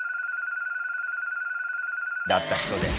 だった人です。